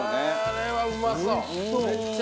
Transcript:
これはうまそう。